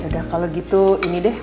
udah kalau gitu ini deh